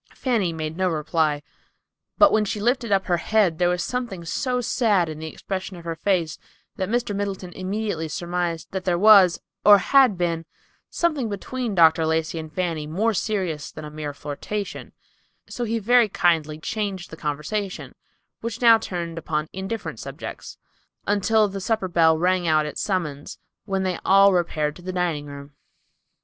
Fanny made no reply; but when she lifted up her head there was something so sad in the expression of her face that Mr. Middleton immediately surmised that there was, or had been, something between Dr. Lacey and Fanny more serious than a mere flirtation; so he very kindly changed the conversation, which now turned upon indifferent subjects, until the supper bell rang out its summons, when they all repaired to the dining room.